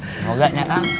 semoga ya kang